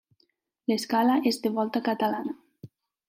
L'escala és de volta catalana.